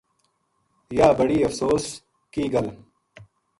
یاہ بڑی افسو س کی گل